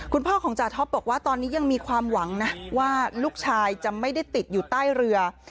คุณพ่อของจาท็อปบอกว่าตอนนี้ยังมีความหวังนะว่าลูกชายจะไม่ได้ติดอยู่ใต้เรือ